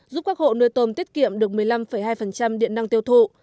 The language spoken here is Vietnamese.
giúp các hộ nuôi tôm tiết kiệm được một mươi năm hai